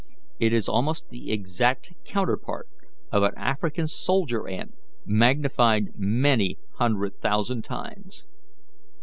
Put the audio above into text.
It is almost the exact counterpart of an African soldier ant magnified many hundred thousand times.